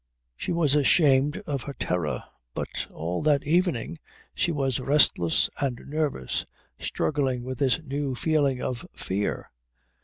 She was ashamed of her terror. But all that evening she was restless and nervous, struggling with this new feeling of fear.